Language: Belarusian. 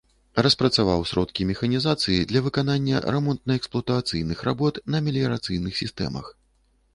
Распрацаваў сродкі механізацыі для выканання рамонтна-эксплуатацыйных работ на меліярацыйных сістэмах.